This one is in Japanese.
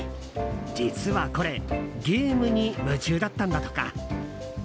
実はこれゲームに夢中だったんだとか。